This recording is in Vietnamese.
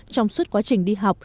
trong suốt quá trình đi học